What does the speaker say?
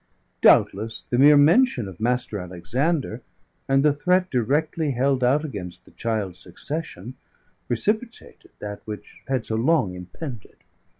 Doubtless the mere mention of Mr. Alexander, and the threat directly held out against the child's succession, precipitated that which had so long impended.